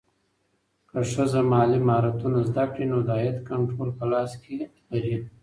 که ښځه مالي مهارتونه زده کړي، نو د عاید کنټرول په لاس کې لري.